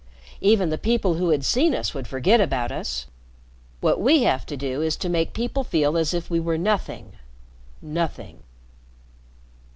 Even the people who had seen us would forget about us. What we have to do is to make people feel as if we were nothing nothing."